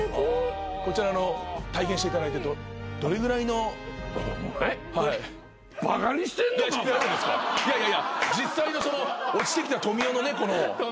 こちら体験していただいてどれぐらいの。いやいやいや実際の落ちてきた富美男のね。